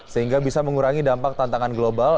sehingga bisa mengurangi dampak tantangan global